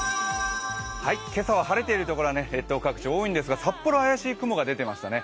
今朝は晴れている所は列島各地多いんですが札幌は怪しい雲が出ていましたね。